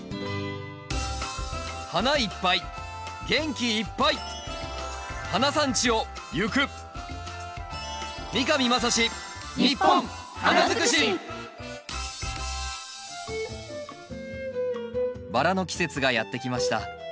花いっぱい元気いっぱい花産地を行くバラの季節がやってきました。